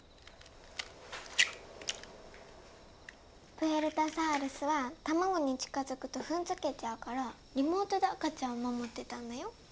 プエルタサウルスは卵に近づくと踏んづけちゃうからリモートで赤ちゃんを守ってたんだよ。